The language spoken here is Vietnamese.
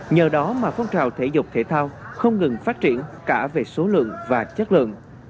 nhờ đó mà phong trào thể dục thể thao không ngừng phát triển cả về số lượng và chất lượng